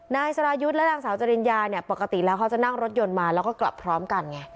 นายสรายุทธ์และนางสาวจริญญาเนี่ยปกติแล้วเขาจะนั่งรถยนต์มาแล้วก็กลับพร้อมกันไง